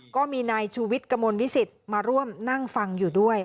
ก็มีนายชูวิทย์กระมวลวิสิตมาร่วมนั่งฟังอยู่ด้วย